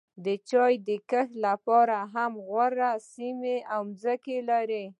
د چای د کښت لپاره هم غوره سیمې او ځمکې لري.